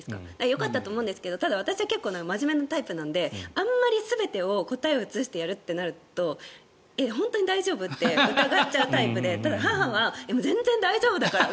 よかったと思うんですけどただ、私は真面目なタイプなのであんまり全てを答えを写してやるとなると本当に大丈夫？って疑っちゃうタイプで母は全然大丈夫だから！